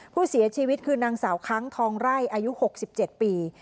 ผู้เสียชีวิตคือนางศาวค้ั้งทองไร่อายุหกสิบเจ็ดปี